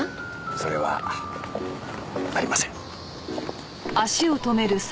それはありません。